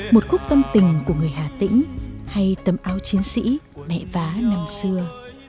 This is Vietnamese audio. một khúc tâm tình của người hà tĩnh hay tấm áo chiến sĩ mẹ vá năm xưa